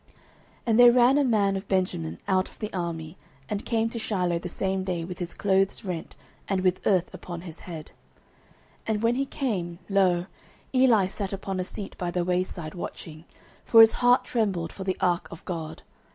09:004:012 And there ran a man of Benjamin out of the army, and came to Shiloh the same day with his clothes rent, and with earth upon his head. 09:004:013 And when he came, lo, Eli sat upon a seat by the wayside watching: for his heart trembled for the ark of God.